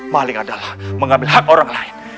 maling adalah mengambil hak orang lain